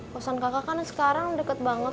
pesan kakak kan sekarang deket banget